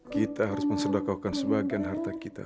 kita harus menselakaukan sebagian harta kita